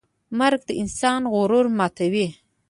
مرګ د انسان غرور ماتوي.